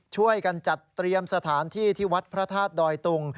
ช่วยกันจัดเตรียมสถานที่ที่วัดพระธาตุดอยตุง